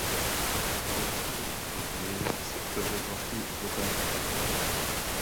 O tři roky později si otevřel vlastní advokátní kancelář.